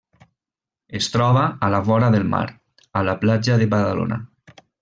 Es troba a la vora del mar, a la platja de Badalona.